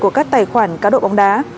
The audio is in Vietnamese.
của các tài khoản cá độ bóng đá